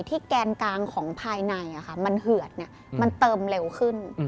แกนกลางของภายในมันเหือดมันเติมเร็วขึ้น